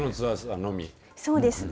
そうです。